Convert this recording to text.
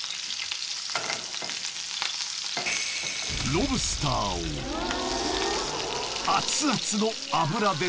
［ロブスターを熱々の油でソテー］